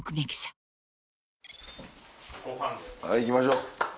はい行きましょう。